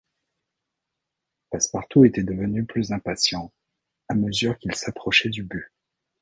Passepartout était devenu plus impatient à mesure qu’il s’approchait du but.